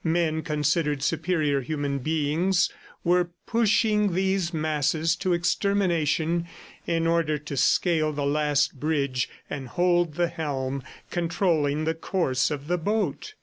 Men, considered superior human beings, were pushing these masses to extermination in order to scale the last bridge and hold the helm, controlling the course of the boat.